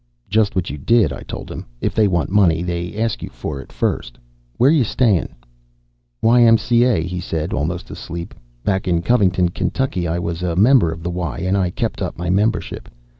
"Just what you did," I told him. "If they want money, they ask you for it first. Where you staying?" "Y.M.C.A.," he said, almost asleep. "Back in Covington, Kentucky, I was a member of the Y and I kept up my membership.